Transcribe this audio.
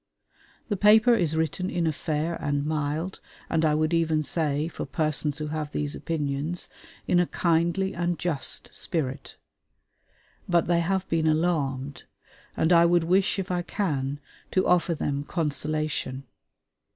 The paper is written in a fair and mild, and I would even say, for persons who have these opinions, in a kindly and just spirit. But they have been alarmed, and I would wish, if I can, to offer them consolation.